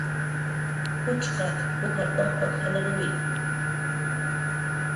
Ujchqaq ujar tunqur jalruwi